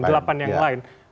delapan yang lain